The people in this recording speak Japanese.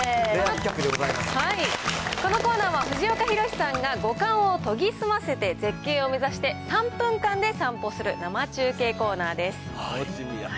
このコーナーは、藤岡弘、さんが五感を研ぎ澄ませて絶景を目指して、３分間で散歩する生中継コーナーです。